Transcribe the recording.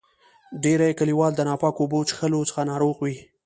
ډیری کلیوال د ناپاکو اوبو چیښلو څخه ناروغ وي.